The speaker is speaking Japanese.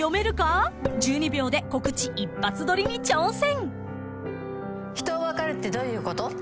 ［１２秒で告知一発撮りに挑戦］